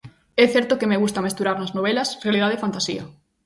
É certo que me gusta mesturar nas novelas realidade e fantasía.